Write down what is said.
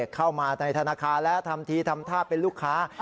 เข้ามาในธนาคารแล้วทำทีทำท่าเป็นลูกค้า